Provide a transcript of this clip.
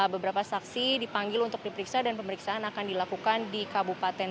beberapa saksi dipanggil untuk diperiksa dan pemeriksaan akan dilakukan di kabupaten